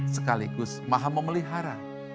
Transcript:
sekaligus maha memelihara